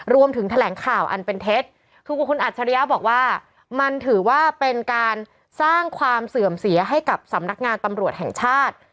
รวมถึงแถลงข่าวอันเป็นเท็จคือคุณอัจฉริยะบอกว่ามันถือว่าเป็นการสร้างความเสื่อมเสียให้กับสำนักงานตำรวจแห่งชาติ